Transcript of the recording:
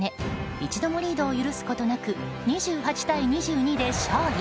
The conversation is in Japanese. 一度もリードを許すことなく２８対２２で勝利。